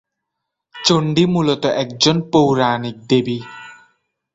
চণ্ডী মূলত একজন পৌরাণিক দেবী।